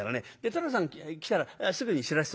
寅さん来たらすぐに知らせておくれ。